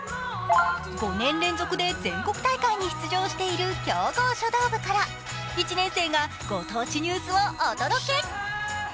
５年連続で全国大会に出場している強豪書道部から、１年生がご当地ニュースをお届け。